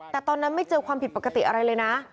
แต่ตอนนั้นไม่เจอความผิดปกติอะไรเลยนะ